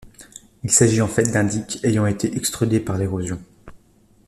Il s'agit en fait d'un dyke ayant été extrudé par l'érosion.